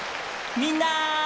みんな！